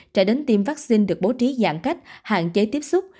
trẻ đến tiêm vaccine được bố trí giãn cách hạn chế tiếp xúc